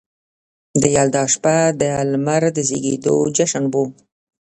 د یلدا شپه د لمر د زیږیدو جشن و